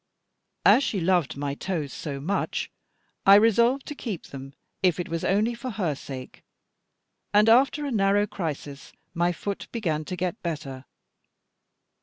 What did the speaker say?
As she loved my toes so much, I resolved to keep them, if it was only for her sake; and, after a narrow crisis, my foot began to get better.